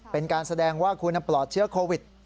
เป็นการแสดงว่าคุณปลอดเชื้อโควิด